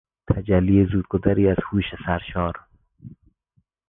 تجلی زودگذری از هوش سرشار